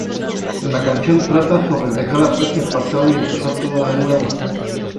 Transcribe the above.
La canción trata sobre dejar atrás el pasado y empezar todo de nuevo.